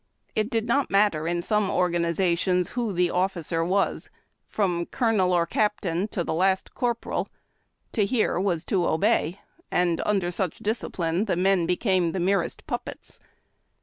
It did not matter in some organizations who the offi cer was, from colonel or captain to the last corporal, to hear was to obey, and under such discipline the men became the merest puppets.